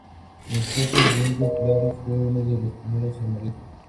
Mi esposo, Domingo Claros, fue uno de los primeros en morir.